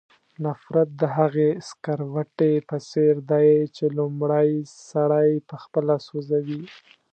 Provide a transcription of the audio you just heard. نفرت د هغې سکروټې په څېر دی چې لومړی سړی پخپله سوځوي.